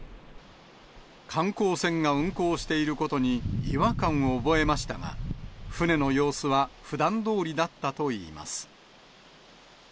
観光船が運航していることに違和感を覚えましたが、船の様子はふだんどおりだったといいます。